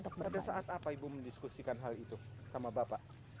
pada saat apa ibu mendiskusikan hal itu sama bapak